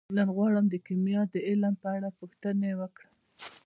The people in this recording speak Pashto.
نن غواړم د کیمیا د علم په اړه پوښتنې وکړم.